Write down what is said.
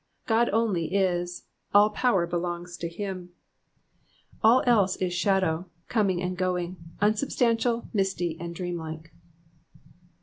God only is ; all })ower belongs to him ; all else is shadow, coming and going, unsubstantial, misty, dream like.